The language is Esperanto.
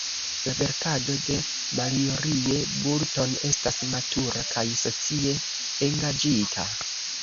La verkado de Marjorie Boulton estas matura kaj socie engaĝita.